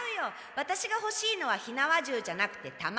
ワタシがほしいのは火縄銃じゃなくてたま。